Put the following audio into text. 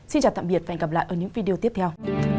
xin chào tạm biệt và hẹn gặp lại ở những video tiếp theo